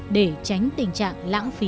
để tránh tình trạng lãng phí